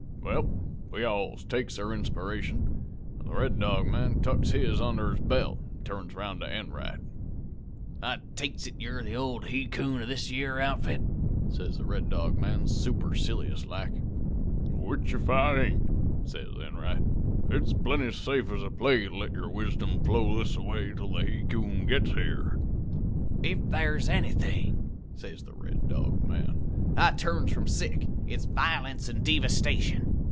"Well, we alls takes our inspiration, an' the Red Dog man tucks his onder his belt an' then turns round to Enright. "'I takes it you're the old he coon of this yere outfit?' says the Red Dog man, soopercilious like. "'Which, if I ain't,' says Enright, 'it's plenty safe as a play to let your wisdom flow this a way till the he coon gets yere.' "'If thar's anythin',' says the Red Dog man, 'I turns from sick, it's voylence an' deevastation.